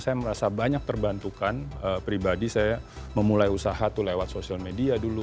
saya merasa banyak terbantukan pribadi saya memulai usaha tuh lewat sosial media dulu